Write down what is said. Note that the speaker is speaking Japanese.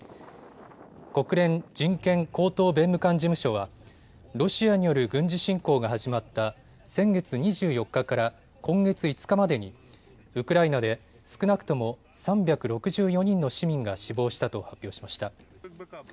国連人権高等弁務官事務所はロシアによる軍事侵攻が始まった先月２４日から今月５日までにウクライナで少なくとも３６４人の市民が死亡したと発表しました。